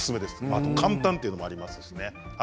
あと簡単というのもあります。